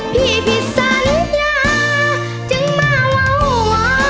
พี่ผิดสัญญาจึงมาวาวอ